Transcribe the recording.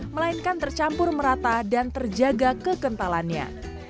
melainkan tercampur merata dan terjaga kekentalannya